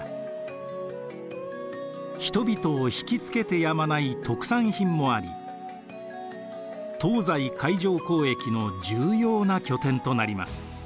人々を引きつけてやまない特産品もあり東西海上交易の重要な拠点となります。